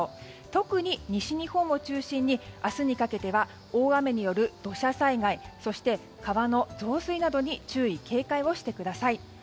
特に西日本を中心に明日にかけては大雨による土砂災害そして川の増水などに注意・警戒をしてください。